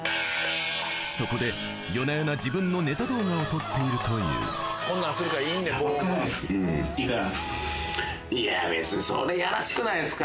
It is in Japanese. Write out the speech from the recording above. そこで夜な夜な自分のネタ動画を撮っているといういや別にそれやらしくないですか？